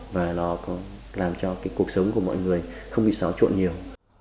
và nó làm cho cái cuộc sống của mọi người không bị xáo trộn nhiều